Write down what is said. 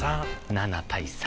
７対３。